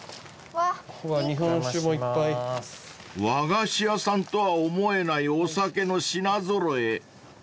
［和菓子屋さんとは思えないお酒の品揃え］